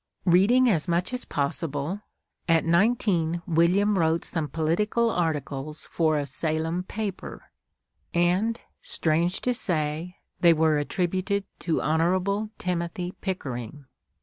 Reading as much as possible, at nineteen William wrote some political articles for a Salem paper, and, strange to say, they were attributed to Hon. Timothy Pickering!